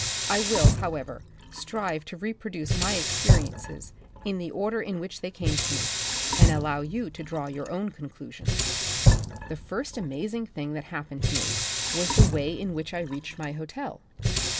I will, however, strive to reproduce my experiences in the order in which they came to me, and allow you to draw your own conclusions. . 1 .'K ■•J } I The Republic of the Future, 15 The first amazing thing that happened to me was the way in which I reached my "hotel.